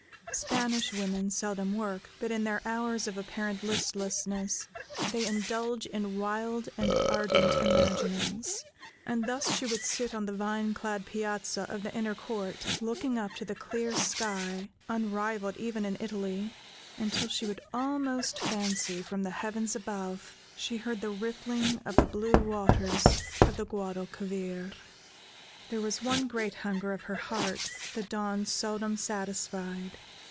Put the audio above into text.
Spanish women seldom work, but in their hours of apparent listlessness they indulge in wild and ardent imaginings; and thus she would sit on the vine clad piazza of the inner court, looking up to the clear sky, unrivaled even in Italy, until she would almost fancy, from the heavens above, she heard the rippling of the blue waters of the Guadalquivir. There was one great hunger of her heart the Don seldom satisfied.